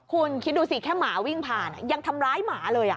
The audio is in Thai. คุณคิดดูสิแค่หมาวิ่งผ่านยังทำร้ายหมาเลย